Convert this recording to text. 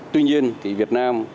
tuy nhiên việt nam